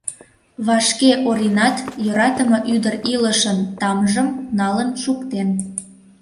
Вашке Оринат йӧратыме ӱдыр илышын тамжым налын шуктен.